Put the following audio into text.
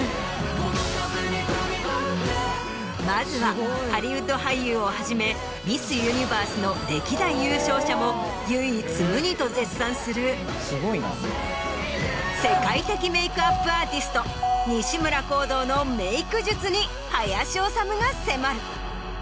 まずはハリウッド俳優をはじめミス・ユニバースの歴代優勝者も唯一無二と絶賛する世界的メイクアップアーティスト西村宏堂のメイク術に林修が迫る。